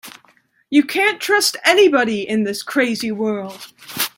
You can't trust anybody in this crazy world.